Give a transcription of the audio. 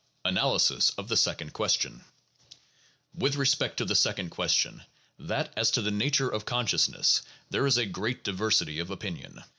Analysis of the Second Question With respect to the second question — that as to the nature of consciousness — there is a great diversity of opinion.